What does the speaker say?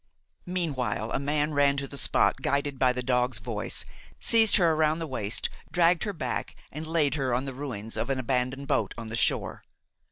Meanwhile a man ran to the spot, guided by the dog's voice, seized her around the waist, dragged her back and laid her on the ruins of an abandoned boat on the shore.